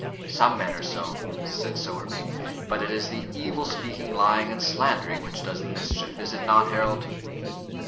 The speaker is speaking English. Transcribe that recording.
"Some men are so," said Sowerby; "but it is the evil speaking, lying, and slandering, which does the mischief. Is it not, Harold?"